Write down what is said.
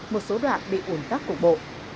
một số đoạn bị ủn tắc cục bộ